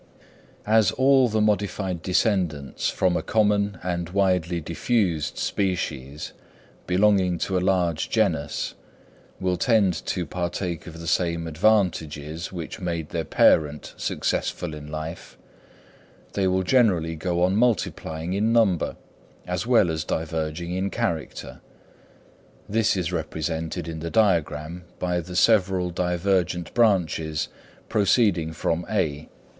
As all the modified descendants from a common and widely diffused species, belonging to a large genus, will tend to partake of the same advantages which made their parent successful in life, they will generally go on multiplying in number as well as diverging in character: this is represented in the diagram by the several divergent branches proceeding from (A).